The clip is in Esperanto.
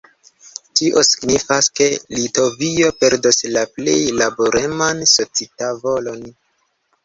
Tio signifas, ke Litovio perdos la plej laboreman socitavolon.